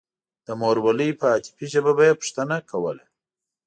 د مورولۍ په عاطفي ژبه به يې پوښتنه کوله.